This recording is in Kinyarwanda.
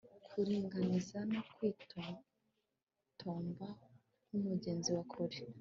Kuringaniza no kwitotomba nkumugezi wa kure